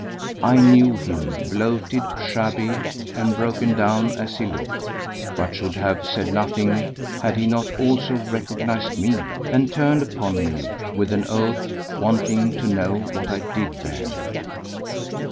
I knew him, bloated, shabby, and broken down as he looked, but should have said nothing had he not also recognized me, and turned upon me with an oath, wanting to know what I did there.